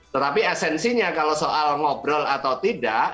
tetapi esensinya kalau soal ngobrol atau tidak